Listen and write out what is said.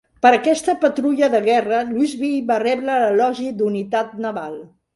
Per aquesta patrulla de guerra "Louisville" va rebre l'Elogi d'Unitat Naval.